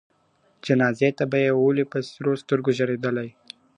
جنازې ته به یې ولي په سروسترګو ژړېدلای ..